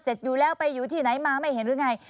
เสร็จอยู่แล้วไปอยู่ที่ไหนมาไม่เห็นหรือไง